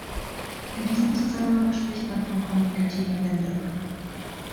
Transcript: In diesem Zusammenhang spricht man von Kommunikativer Wende.